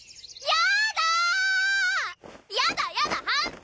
やだやだ